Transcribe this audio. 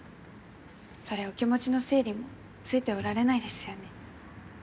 そりゃお気持ちの整理もついておられないですよね。